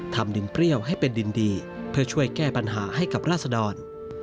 ดินเปรี้ยวให้เป็นดินดีเพื่อช่วยแก้ปัญหาให้กับราษดร